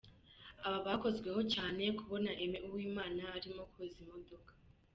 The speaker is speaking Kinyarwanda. Aba bakozweho cyane kubona Aime Uwimana arimo koza imodoka.